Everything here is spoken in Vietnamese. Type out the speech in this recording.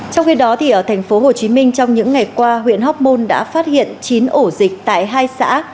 trong khi đó tp hcm trong những ngày qua huyện hoc mon đã phát hiện chín ổ dịch tại hai xã